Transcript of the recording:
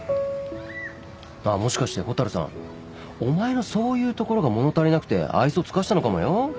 あっもしかして蛍さんお前のそういうところが物足りなくて愛想尽かしたのかもよ。